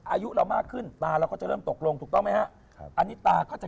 อายุเรามากขึ้นตาเราก็จะเริ่มตกลงถูกต้องไหมฮะครับอันนี้ตาก็จะ